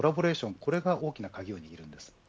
これが大きな鍵を握ります。